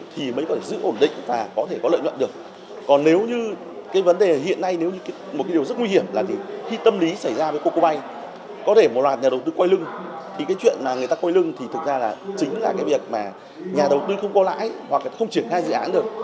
thì cái chuyện mà người ta quay lưng thì thực ra là chính là cái việc mà nhà đầu tư không có lãi hoặc là không triển khai dự án được